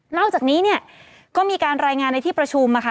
อกจากนี้เนี่ยก็มีการรายงานในที่ประชุมค่ะ